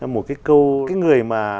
một cái câu cái người mà